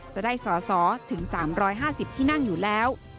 จะได้สอสอถึง๓๕๐ที่นั่งอยู่แล้ว